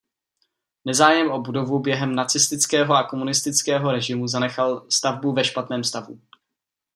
Nezájem o budovu během nacistického a komunistického režimu zanechal stavbu ve špatném stavu.